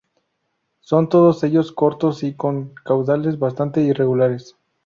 Son todos ellos cortos y con caudales bastante irregulares.